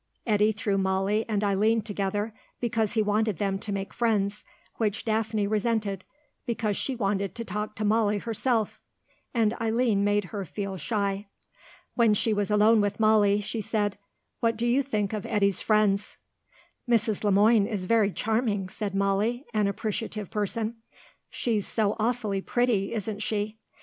Eddy threw Molly and Eileen together, because he wanted them to make friends, which Daphne resented, because she wanted to talk to Molly herself, and Eileen made her feel shy. When she was alone with Molly she said, "What do you think of Eddy's friends?" "Mrs. Le Moine is very charming," said Molly, an appreciative person. "She's so awfully pretty, isn't she?